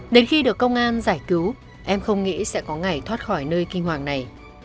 đến khi được công an giải cứu em không nghĩ sẽ có ngày thoát khỏi nơi kinh hoàng này